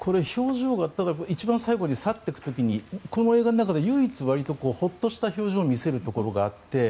一番最後に去っていく時にこの映画の中で唯一、割とほっとした表情を見せるところがあって。